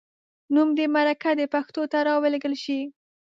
نوم دې مرکه د پښتو ته راولیږل شي.